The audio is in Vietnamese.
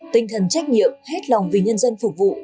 tinh thần trách nhiệm hết lòng vì nhân dân phục vụ